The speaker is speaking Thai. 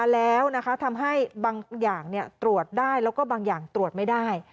แล้วทำให้บางอย่างตรวจได้แล้วก็บางอย่างตรวจไม่ได้